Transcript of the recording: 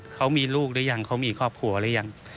เขามีลูกหรือยังเขามีครอบครัวหรือยัง